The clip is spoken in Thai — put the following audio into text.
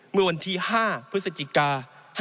เมื่อวันที่๕พฤศจิกา๕๗